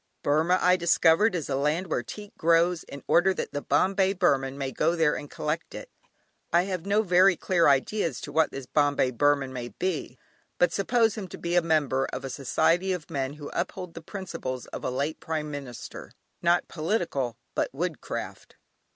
Burmah, I discovered, is a land where teak grows, in order that the "Bombay Burman" may go there and collect it. I have no very clear idea as to what this "Bombay Burman" may be, but suppose him to be a member of a society of men who uphold the principles of a late Prime Minister; not political, but woodcraft.